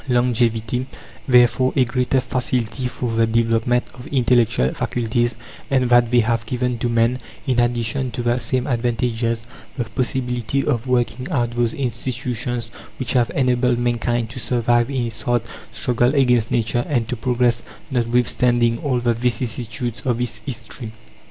longevity, therefore a greater facility for the development of intellectual faculties; and that they have given to men, in addition to the same advantages, the possibility of working out those institutions which have enabled mankind to survive in its hard struggle against Nature, and to progress, notwithstanding all the vicissitudes of its history.